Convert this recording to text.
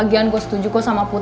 gian gue setuju kok sama putri